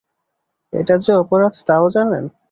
এটা যে অপরাধ তাও জানেন?